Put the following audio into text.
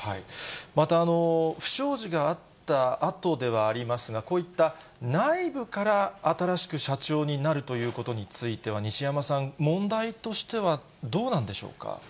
また不祥事があったあとではありますが、こういった内部から新しく社長になるということについては、西山さん、問題としてはどうなんでしょうか。